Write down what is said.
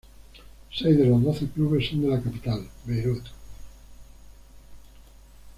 Seis de los doce clubes son de la capital Beirut.